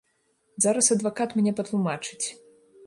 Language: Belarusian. Зараз адвакат мне патлумачыць.